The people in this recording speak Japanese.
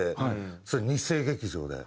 それ日生劇場で。